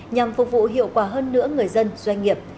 nhằm phục vụ hiệu quả hơn nữa người dân doanh nghiệp